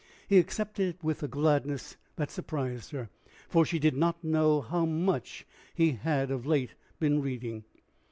He accepted it with a gladness that surprised her, for she did not know how much he had of late been reading.